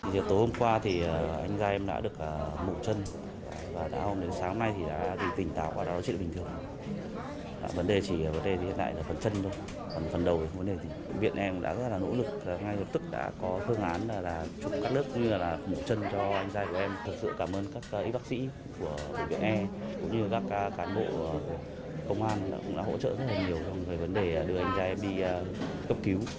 chúc các đất như là mũ chân cho anh trai của em thật sự cảm ơn các bác sĩ của bệnh viện e cũng như các cán bộ công an đã hỗ trợ rất nhiều trong vấn đề đưa anh trai em đi cấp cứu